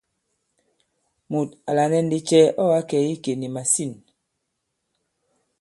Mùt à lànɛ ndi cɛ ɔ̂ ǎ kɛ̀ i ikè nì màsîn ?